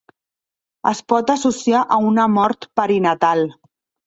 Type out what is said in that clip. Es pot associar a una mort perinatal.